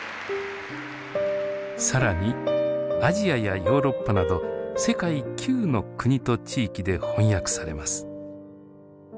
更にアジアやヨーロッパなど世界９の国と地域で翻訳されます。